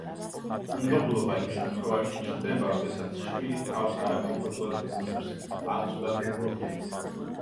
უნდობლობა იმ შემთხვევაში ჩნდება, როდესაც ჩვილი თავს არაკომფორტულად გრძნობს ან ცუდად ეპყრობიან.